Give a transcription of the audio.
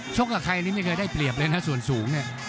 กับใครนี่ไม่เคยได้เปรียบเลยนะส่วนสูงเนี่ย